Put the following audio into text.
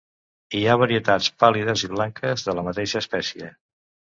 Hi ha varietats pàl·lides i blanques de la mateixa espècie.